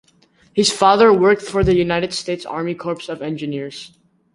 His father worked for the United States Army Corps of Engineers.